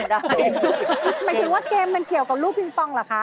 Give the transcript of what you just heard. หมายถึงว่าเกมมันเกี่ยวกับลูกปิงปองเหรอคะ